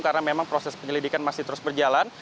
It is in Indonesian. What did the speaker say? karena memang proses penyelidikan masih terus berjalan